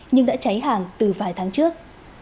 nhưng đã cháy hàng từ vài tháng trước